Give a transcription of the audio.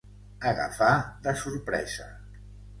Agafar de sorpresa.